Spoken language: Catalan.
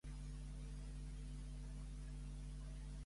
Considera que ell que té una situació favorable?